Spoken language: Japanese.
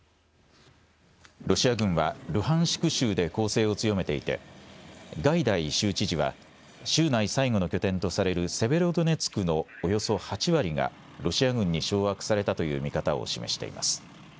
ロシア軍は、ルハンシク州で攻勢を強めていて、ガイダイ州知事は、州内最後の拠点とされるセベロドネツクのおよそ８割が、ロシア軍に掌握されたという見方を示しています。